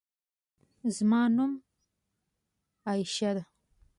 زما نوم عایشه ده